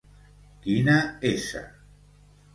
Quina s